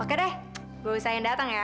oke deh gue bisa yang datang ya